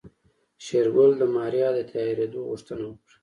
شېرګل د ماريا د تيارېدو غوښتنه وکړه.